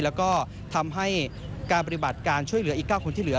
แล้วก็ทำให้การปฏิบัติการช่วยเหลืออีก๙คนที่เหลือ